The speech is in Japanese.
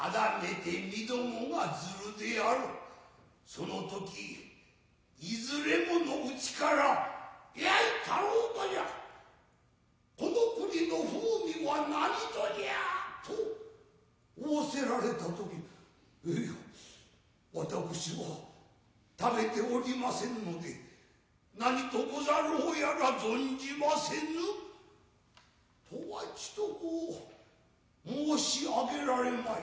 その時いずれものうちから「やい太郎冠者この栗の風味は何とじゃ」と仰せられた時「いや私は食べておりませぬので何とござろうやら存じませぬ」とはちとこう申し上げられまい。